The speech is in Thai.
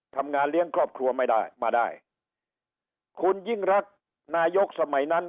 ทำงานเลี้ยงครอบครัวไม่ได้มาได้คุณยิ่งรักนายกสมัยนั้น